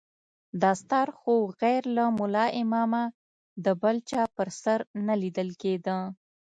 دستار خو غير له ملا امامه د بل چا پر سر نه ليدل کېده.